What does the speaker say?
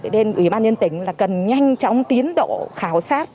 đến ưu ba nhân dân tỉnh là cần nhanh chóng tiến độ khảo sát